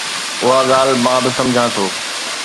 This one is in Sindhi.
اها ڳالهه مان به سمجهان ٿو.